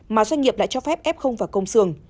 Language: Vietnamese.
mà doanh nghiệp lại cho phép f và công sường